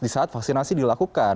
di saat vaksinasi dilakukan